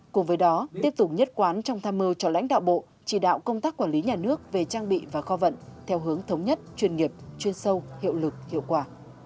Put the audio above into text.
cùng với đó tiếp tục nhất quán trong tham mưu cho lãnh đạo bộ chỉ đạo công tác quản lý nhà nước về trang bị và kho vận theo hướng thống nhất chuyên nghiệp chuyên sâu hiệu lực hiệu quả